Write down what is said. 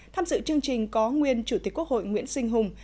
tham dự chương trình có nguyên chủ tịch quốc hội nguyễn sinh hùng